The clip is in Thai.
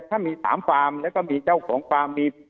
ถ้ามี๓ฟาร์มแล้วก็มีเจ้าของฟาร์มมี